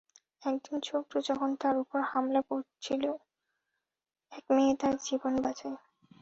একদিন শত্রু যখন তার উপর হামলা করেছিলো, এক মেয়ে তার জীবন বাঁচায়।